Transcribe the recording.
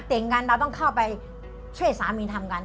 แต่งงานเราต้องเข้าไปช่วยสามีทำกัน